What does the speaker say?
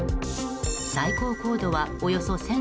最高高度はおよそ１０００ｋｍ。